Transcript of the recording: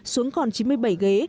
xuống còn chín mươi bảy ghế